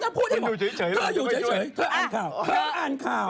ถ้าอยู่เฉยเธออ่านข่าว